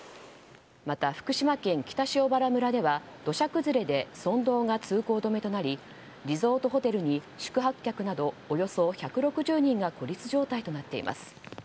また福島県北塩原村では土砂崩れで村道が通行止めとなりリゾートホテルに宿泊客などおよそ１６０人が孤立状態となっています。